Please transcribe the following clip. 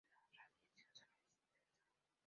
La radiación solar es intensa.